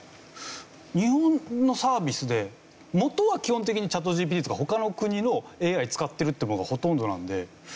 日本のサービスで元は基本的にＣｈａｔＧＤＰとか他の国のＡＩ使ってるっていうのがほとんどなので。